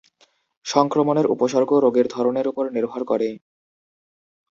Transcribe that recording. সংক্রমণের উপসর্গ রোগের ধরনের উপর নির্ভর করে।